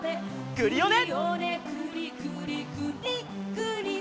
クリオネ！